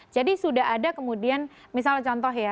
jadi sudah ada kemudian misalnya contoh ya